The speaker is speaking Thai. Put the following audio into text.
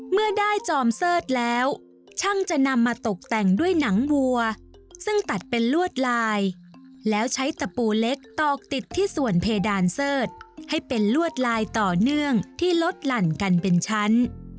เมื่อได้จอมเสิร์ธแล้วช่างจะนำมาตกแต่งด้วยหนังวัวซึ่งตัดเป็นลวดลายแล้วใช้ตะปูเล็กตอกติดที่ส่วนเพดานเสิร์ธให้เป็นลวดลายต่อเนื่องที่ลดหลั่นกันเป็นชั้น